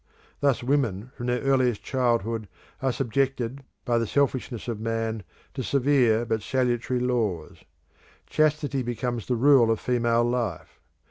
Thus women from their earliest childhood are subjected by the selfishness of man to severe but salutary laws. Chastity becomes the rule of female life.